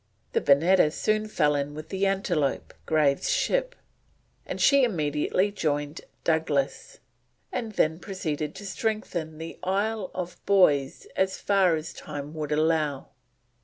The Bonetta soon fell in with the Antelope, Graves's ship, and she immediately joined Douglas, and then proceeded to strengthen the Isle of Boys as far as time would allow.